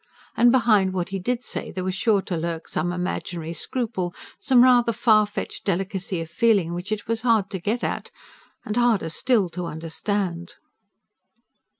And behind what he did say, there was sure to lurk some imaginary scruple, some rather far fetched delicacy of feeling which it was hard to get at, and harder still to understand.